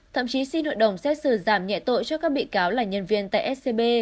thậm chí xin hội đồng xét xử giảm nhẹ tội cho các bị cáo là nhân viên tại scb